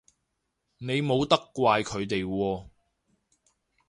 你冇得怪佢哋喎